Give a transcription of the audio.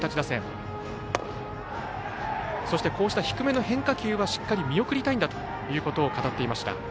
低めの変化球はしっかり見送りたいということを語っていました。